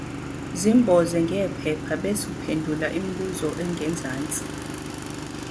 Semboze ngephepha bese uphendula imibuzo engezansi.